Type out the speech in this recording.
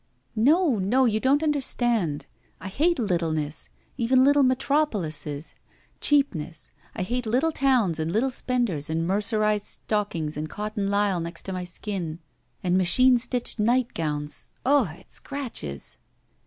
No, no! You don't understand. I hate little ness. Even Uttle metropoUses. Cheapness. I hate Uttle towns and Uttle spenders and mercerized stock ings and cotton lisle next to my skin, and machine stitched nightgowns. Ugh I it scratches